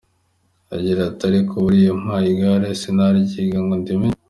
Agira ati “Ariko buriya umpaye igare sinanaryiga ngo ndimenye.